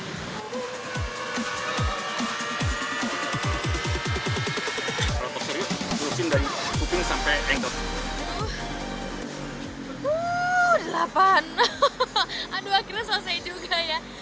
wuuu delapan aduh akhirnya selesai juga ya